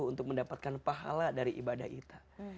untuk mendapatkan pahala dari ibadah kita